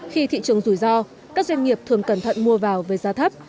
khi thị trường rủi ro các doanh nghiệp thường cẩn thận mua vào với giá thấp